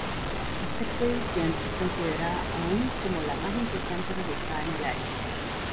Esta expedición es considerada aun como la más importante realizada en el área.